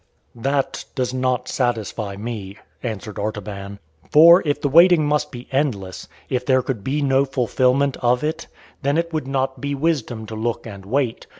"That does not satisfy me," answered Artaban, "for, if the waiting must be endless, if there could be no fulfilment of it, then it would not be wisdom to look and wait.